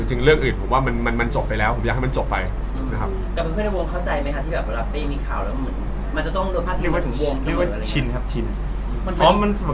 เรื่องอื่นผมว่ามันจบไปแล้วผมอยากให้มันจบไปนะครับ